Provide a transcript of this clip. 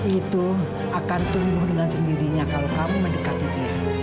itu akan tumbuh dengan sendirinya kalau kamu mendekati dia